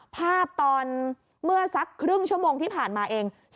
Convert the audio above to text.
ภาพตอนเมื่อสักครึ่งชั่วโมงที่ผ่านมาเอง